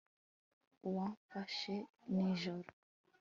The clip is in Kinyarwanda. uwamfashe nijoro